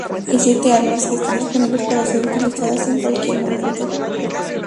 Hay siete armas, que están disponibles para ser utilizadas en cualquier momento.